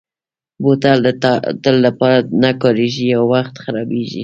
بوتل د تل لپاره نه کارېږي، یو وخت خرابېږي.